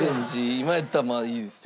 今やったらまだいいですよ。